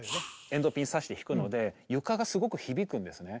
エンドピンさして弾くので床がすごく響くんですね。